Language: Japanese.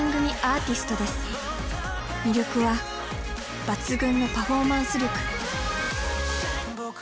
魅力は抜群のパフォーマンス力。